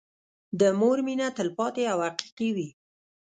د مور مينه تلپاتې او حقيقي وي.